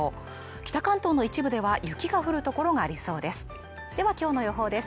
北関東の一部では雪が降る所がありそうです